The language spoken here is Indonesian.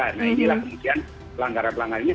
nah inilah kemudian pelanggaran pelanggaran ini